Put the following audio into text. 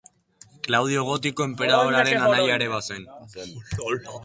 Klaudio Gotiko enperadorearen anaia ere bazen.